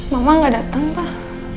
mama gak dateng pak